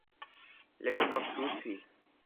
لیکن مقصود تھی۔